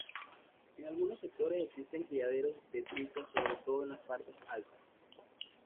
En algunos sectores existen criaderos de trucha sobre todo en las partes altas.